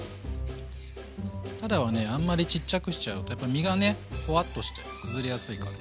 たらはねあんまりちっちゃくしちゃうとやっぱ身がねほわっとして崩れやすいから。